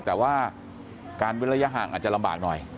แต่ว่าการเว้นระยะห่างอาจจะลำบากหน่อย